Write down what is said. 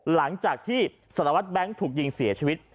หลังจากที่สารวัตรแบงค์ถูกยิงเสียชีวิต